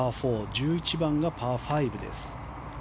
１１番がパー５です。